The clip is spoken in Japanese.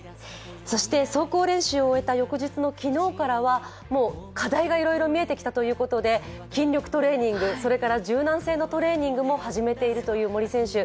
そして走行練習を終えた翌日の昨日からはもう課題がいろいろ見えてきたということで、筋力トレーニング柔軟性のトレーニングを始めている森選手。